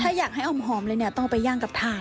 ถ้าอยากให้อมเลยเนี่ยต้องไปยั่งกับทาน